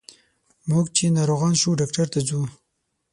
موږ چې ناروغان شو ډاکټر ته ځو.